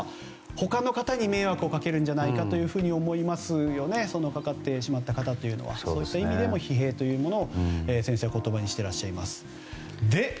他の方に迷惑をかけるんじゃないかと思ってしまいますよねかかってしまった方というのはその意味での疲弊というのを先生は言葉にしていらっしゃいます。